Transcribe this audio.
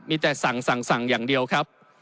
มีแต่สั่งสั่งสั่งอย่างเดียวครับ